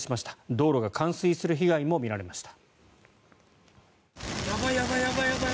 道路が冠水する被害も見られました。